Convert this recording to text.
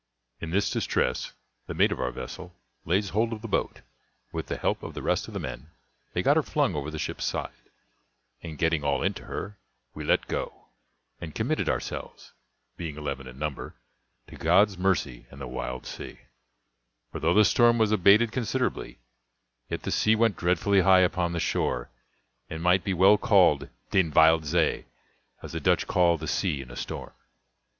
In this distress, the mate of our vessel lays hold of the boat, and with the help of the rest of the men, they got her flung over the ship's side; and getting all into her, we let go, and committed ourselves, being eleven in number, to God's mercy and the wild sea: for though the storm was abated considerably, yet the sea went dreadfully high upon the shore, and might be well called den wild zee, as the Dutch call the sea in a storm.